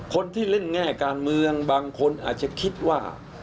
คนที่เล่นแง่การเมืองบางคนอาจจะคิดว่า